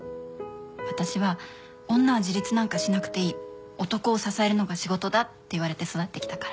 私は女は自立なんかしなくていい男を支えるのが仕事だって言われて育ってきたから。